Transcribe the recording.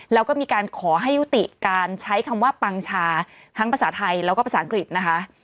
แล้วก็มีการขอให้ยุติการใช้คำว่าปังชาทั้งภาษาไทยแล้วก็ภาษาอังกฤษนะคะ